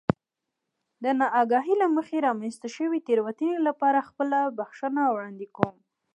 د نااګاهۍ له مخې رامنځته شوې تېروتنې لپاره خپله بښنه وړاندې کوم.